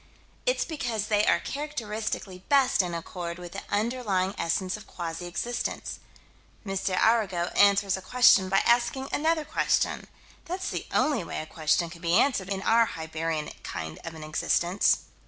It's because they are characteristically best in accord with the underlying essence of quasi existence. M. Arago answers a question by asking another question. That's the only way a question can be answered in our Hibernian kind of an existence.